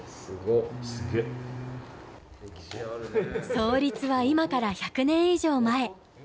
創立は今から１００年以上前。